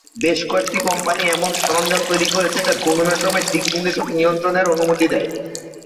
বেশ কয়েকটি কোম্পানি এমন সরঞ্জাম তৈরি করেছে যা ঘূর্ণনের সময় দিকনির্দেশক নিয়ন্ত্রণের অনুমতি দেয়।